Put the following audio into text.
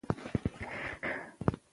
د نجونو تعليم د ګډو کارونو ملاتړ ساتي.